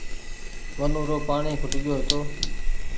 وٺي ونورو پآڻيٚ کٽگيو هيتو